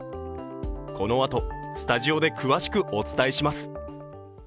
このあと、スタジオで詳しくお伝えします。